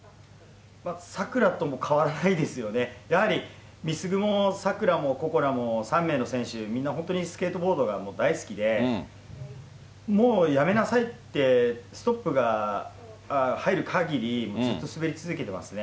さくらとも変わらないですよね、やはり碧優も、心那も、３名の選手、みんな本当にスケートボードが大好きで、もうやめなさいってストップが入るかぎり、ずっと滑り続けてますね。